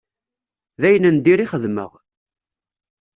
D ayen n dir ixedmeɣ.